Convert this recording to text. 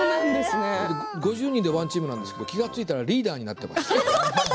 ５０人でワンチームなんですけど気付いたらリーダーになっています。